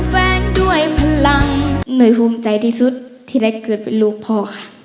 แฟนด้วยพลังเหนื่อยภูมิใจที่สุดที่ได้เกิดเป็นลูกพ่อค่ะ